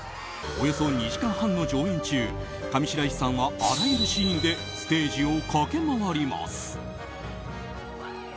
およそ２時間半の上演中上白石さんはあらゆるシーンでステージを駆け回ります。